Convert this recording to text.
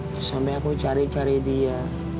terus sampai aku cari cari dia